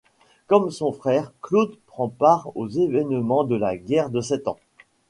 Comme son frère, Claude prend part aux événements de la guerre de Sept Ans.